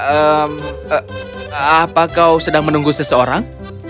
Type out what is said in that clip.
apa kau sedang menunggu seseorang